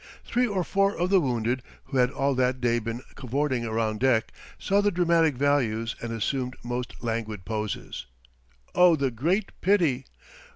Three or four of the wounded, who had all that day been cavorting around deck, saw the dramatic values and assumed most languid poses. Oh, the great pity!